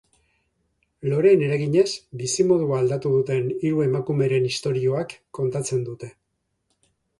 Loreen eraginez bizimodua aldatu duten hiru emakumeren istorioak kontatzen dute.